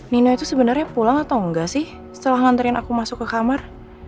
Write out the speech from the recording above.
nina itu sebenarnya pulang atau enggak sih setelah nganterin aku masuk ke kamar